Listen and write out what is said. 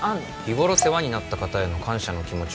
「日頃世話になった方への感謝の気持ちを」